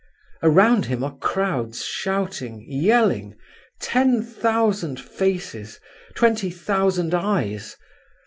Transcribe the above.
Around him are crowds shouting, yelling—ten thousand faces, twenty thousand eyes.